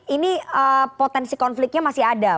ini potensi konfliknya masih ada